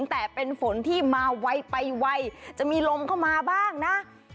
แต่เป็นฝนที่มาไวไปไวจะมีลมเข้ามาบ้างนะ